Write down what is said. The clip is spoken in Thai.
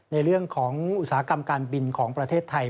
ในเรื่องของอุตสาหกรรมการบินของประเทศไทย